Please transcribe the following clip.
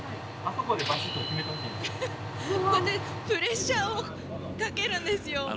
プレッシャーをかけるんですよ！